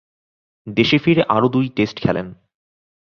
দেশে ফিরে আরও দুই টেস্ট খেলেন।